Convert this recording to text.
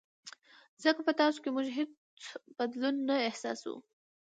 ځکه په تاسو کې موږ هېڅ بدلون نه احساسوو.